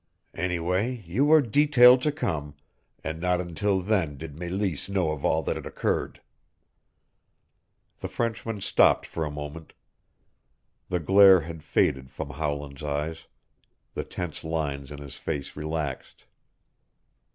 Anyway, you were detailed to come, and not until then did Meleese know of all that had occurred." The Frenchman stopped for a moment. The glare had faded from Howland's eyes. The tense lines in his face relaxed.